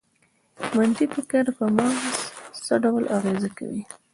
منفي فکر په مغز څه ډول اغېز کوي؟